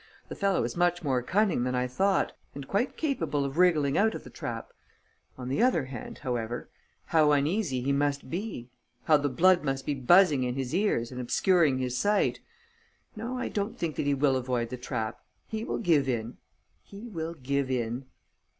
The fellow is much more cunning than I thought and quite capable of wriggling out of the trap. On the other hand, however, how uneasy he must be! How the blood must be buzzing in his ears and obscuring his sight! No, I don't think that he will avoid the trap.... He will give in.... He will give in...."